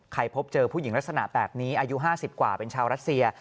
พบเจอผู้หญิงลักษณะแบบนี้อายุ๕๐กว่าเป็นชาวรัสเซีย